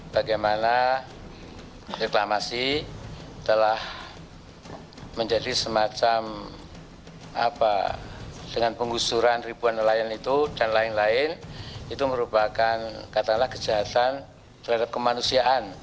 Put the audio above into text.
bagaimana reklamasi telah menjadi semacam apa dengan penggusuran ribuan nelayan itu dan lain lain itu merupakan katalah kejahatan terhadap kemanusiaan